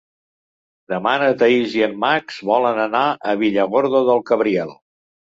Demà na Thaís i en Max volen anar a Villargordo del Cabriel.